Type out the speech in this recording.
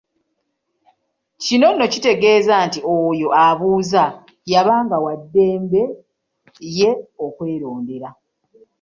Kino nno kitegeeza nti oyo abuuza yabanga wa ddembe ye okwelondera.